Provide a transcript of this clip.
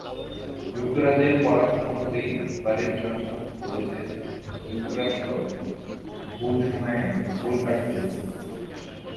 যুক্তরাজ্যের পররাষ্ট্রমন্ত্রী Boris Johnson বলেছেন, যুক্তরাষ্ট্র ভুল সময়ে ভুল কার্ড খেলেছে।